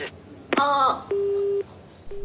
ああ。